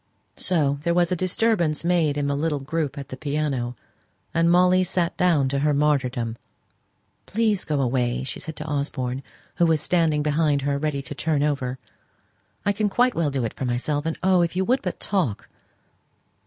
So there was a disturbance made in the little group at the piano, and Molly sate down to her martyrdom. "Please, go away!" said she to Osborne, who was standing behind her ready to turn over. "I can quite well do it for myself. And oh! if you would but talk!"